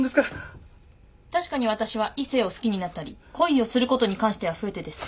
確かに私は異性を好きになったり恋をすることに関しては不得手です。